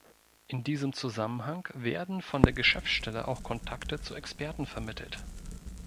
In diesem Zusammenhang werden von der Geschäftsstelle auch Kontakte zu Experten vermittelt.